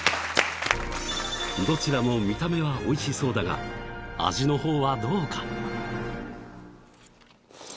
どちらも見た目はおいしそうだが味のほうはどうか？